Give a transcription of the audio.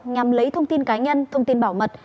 nhằm lấy thông tin cá nhân thông tin bảo mật